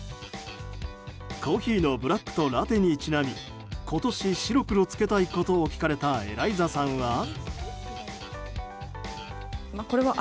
コーヒーのブラックとラテにちなみ今年、白黒つけたいことを聞かれたエライザさんは。